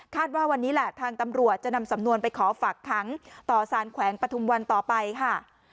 ว่าวันนี้แหละทางตำรวจจะนำสำนวนไปขอฝากขังต่อสารแขวงปฐุมวันต่อไปค่ะ